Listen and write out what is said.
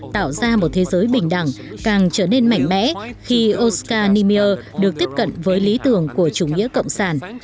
tạo ra một thế giới bình đẳng càng trở nên mạnh mẽ khi oscar nimir được tiếp cận với lý tưởng của chủ nghĩa cộng sản